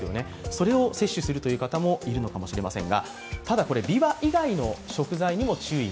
それを摂取するという方もいるのかもしれません。